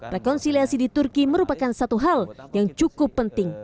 rekonsiliasi di turki merupakan satu hal yang cukup penting